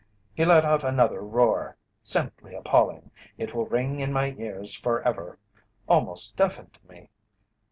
"He let out another roar simply appalling it will ring in my ears forever almost deafened me.